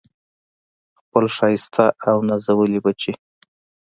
خپل ښایسته او نازولي بچي